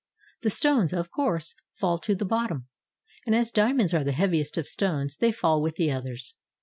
The stones, of course, fall to the bottom, and as diamonds are the heaviest of stones they fall with the others.